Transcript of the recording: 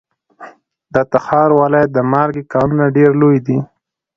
د تخار ولایت د مالګې کانونه ډیر لوی دي.